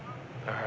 ああ。